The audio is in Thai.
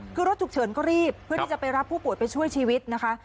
คือรถฉุกเฉินก็รีบเพื่อที่จะไปรับผู้ป่วยไปช่วยชีวิตนะคะ